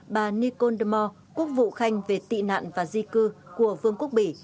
bà nikol demore quốc vụ khanh về tị nạn và di cư của vương quốc bỉ